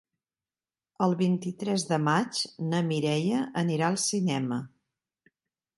El vint-i-tres de maig na Mireia anirà al cinema.